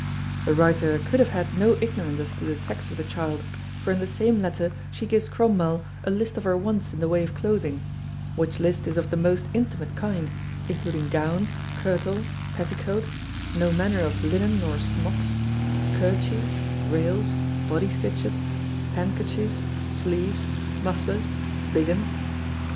The writer could have had no ignorance as to the sex of the child, for in the same letter she gives Cromwell a list of her wants in the way of clothing; which list is of the most intimate kind, including gown, kirtle, petticoat, "no manner of linen nor smocks," kerchiefs, rails, body stitchets, handkerchiefs, sleeves, mufflers, biggens.